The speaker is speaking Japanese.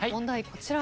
こちら。